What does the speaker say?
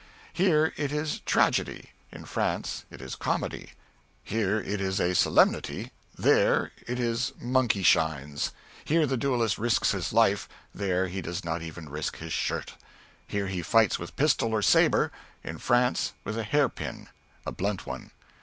Here it is tragedy, in France it in comedy; here it is a solemnity, there it is monkey shines; here the duellist risks his life, there he does not even risk his shirt. Here he fights with pistol or sabre, in France with a hairpin a blunt one.